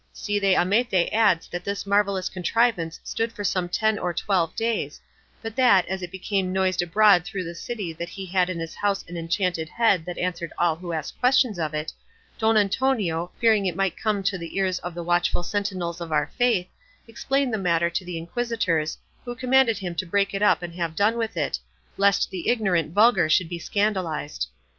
Cide Hamete adds that this marvellous contrivance stood for some ten or twelve days; but that, as it became noised abroad through the city that he had in his house an enchanted head that answered all who asked questions of it, Don Antonio, fearing it might come to the ears of the watchful sentinels of our faith, explained the matter to the inquisitors, who commanded him to break it up and have done with it, lest the ignorant vulgar should be scandalised.